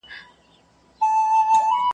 د شیطان پر پلونو پل ایښی انسان دی .